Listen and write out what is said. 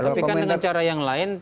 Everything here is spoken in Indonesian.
tapi kan dengan cara yang lain